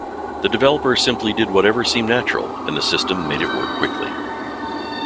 The developer simply did whatever seemed natural, and the system made it work quickly.